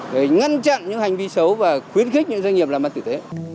để ngăn chặn những hành vi xấu và khuyến khích những doanh nghiệp làm ăn tử tế